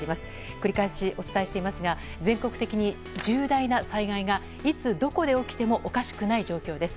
繰り返しお伝えしていますが全国的に重大な災害がいつ、どこで起きてもおかしくない状況です。